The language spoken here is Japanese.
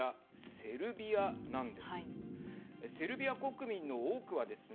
セルビア国民の多くはですね